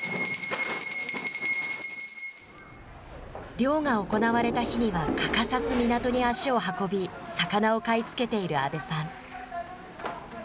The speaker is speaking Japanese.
漁が行われた日には、欠かさず港に足を運び、魚を買い付けている阿部さん。